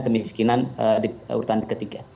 kemiskinan di urutan ketiga